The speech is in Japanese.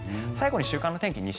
最後に週間天気